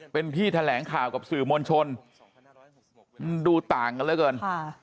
เป็นที่แถลงข่าวกับสื่อมวลชนมันดูต่างกันแล้วเกิน